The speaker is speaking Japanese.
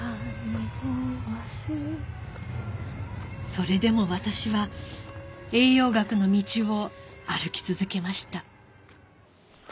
それでも私は栄養学の道を歩き続けました